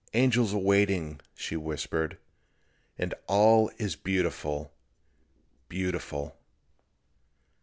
"Angels are waiting," she whispered, "and all is beautiful, beautiful."